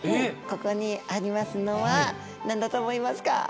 ここにありますのは何だと思いますか？